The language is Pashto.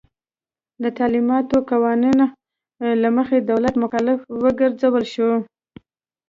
د تعلیماتو قانون له مخې دولت مکلف وګرځول شو.